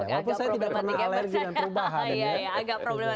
walaupun saya tidak pernah alergi dengan perubahan